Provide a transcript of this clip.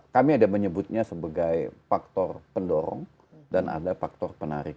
kami ada menyebutnya sebagai faktor pendorong dan ada faktor penarik